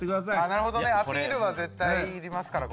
なるほどねアピールは絶対いりますからこれ。